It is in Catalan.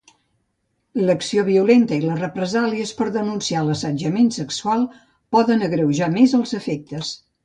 La reacció violenta i les represàlies per denunciar l'assetjament sexual poden agreujar més els efectes.